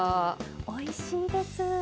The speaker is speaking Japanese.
おいしいです。